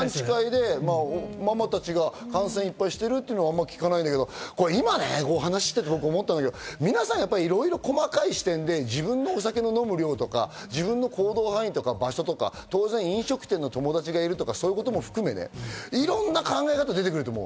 ママたちが感染いっぱいしてるってのはあまり聞かないですけど、皆さん、やっぱりいろいろ細かい視点で自分のお酒を飲む量とか、自分の行動範囲とか飲食店の友達がいるとか、そういうことも含めていろんな考え方が出てくると思う。